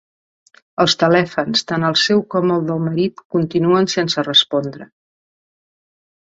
Els telèfons, tant el seu com el del marit, continuen sense respondre.